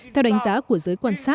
theo đánh giá của giới quan sát